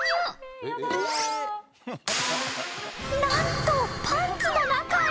［何と］